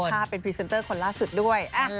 ภาพเป็นพรีเซนเตอร์คนล่าสุดด้วย